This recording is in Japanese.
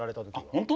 本当？